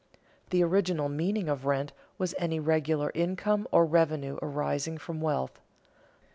_ The original meaning of rent was any regular income or revenue arising from wealth.